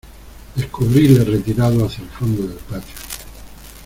descubríles retirados hacia el fondo del patio